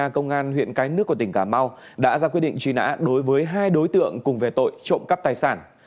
công an huyện cái nước của tỉnh cà mau đã ra quyết định truy nã đối với hai đối tượng cùng về tội trộm cắp tài sản